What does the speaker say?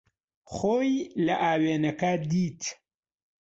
خۆی لە ئاوێنەکە دیت.